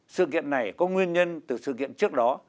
sự kiện này có nguyên nhân từ sự kiện trước đó